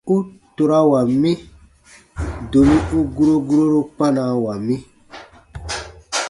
U torawa, domi u guro guroru kpanawa mi.